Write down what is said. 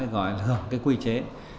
gọi là hưởng cái quy chế